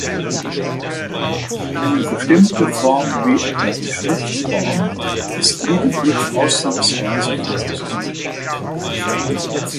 Eine bestimmte Form wie etwa die Schriftform ist lediglich ausnahmsweise vorgesehen.